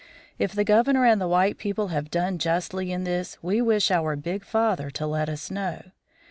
If the Governor and the white people have done justly in this we wish our big father to let us know.